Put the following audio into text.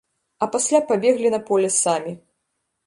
А пасля пабеглі на поле самі!